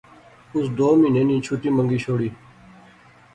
اس دو مہینے نی چُھٹی منگی شوڑی